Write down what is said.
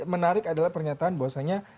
menarik adalah pernyataan bahwasanya